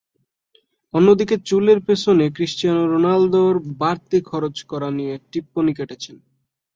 অন্যদিকে চুলের পেছনে ক্রিস্টিয়ানো রোনালদোর বাড়তি খরচ করা নিয়ে টিপ্পনি কেটেছেন।